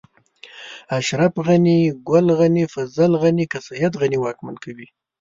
اشرف غني، ګل غني، فضل غني، که سيد غني واکمن کوي.